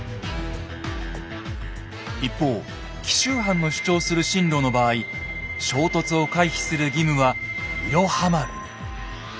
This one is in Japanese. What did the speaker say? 一方紀州藩の主張する進路の場合衝突を回避する義務は「いろは丸」に。